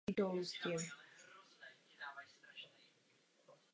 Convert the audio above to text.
Jako závazný jej pro svou nauku považují katolická církev a pravoslaví.